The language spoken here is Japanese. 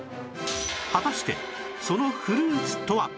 果たしてそのフルーツとは